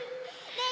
ねえ。